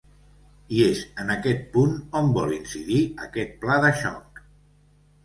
I és en aquest punt on vol incidir aquest pla de xoc.